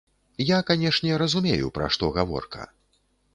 Я, канешне, разумею, пра што гаворка.